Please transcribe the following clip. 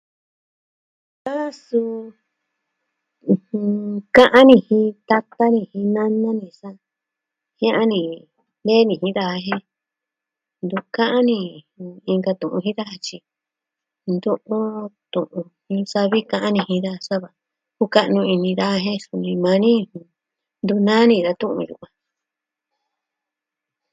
E suu, ɨjɨn, ka'an ni jin tata ni jin nana ni sa. Jia'ani ni nee ni kenta jen ntu ka'an ni inka tu'un jin da jatyi. Ntu'u tu'un ñuu savi ka'an jin daa, soma, kuka'nu ini da jen suni maa ni. Ntu naa ni da tu'un yukuan.